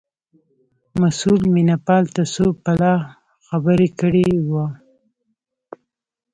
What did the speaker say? مسئول مینه پال ته څو پلا خبره کړې وه.